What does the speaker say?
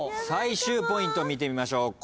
最終ポイント見てみましょう。